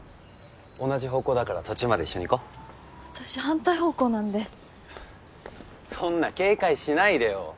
同じ方向だから途中まで一緒に行こう私反対方向なんでそんな警戒しないでよ